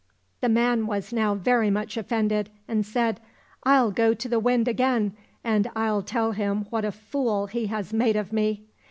The man was now very much offended and said, " I'll go to the Wind again, and I'll tell him what a fool he has made of me."